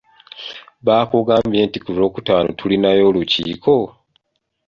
Baakugambye nti ku lwokutaano tulinayo olukiiko?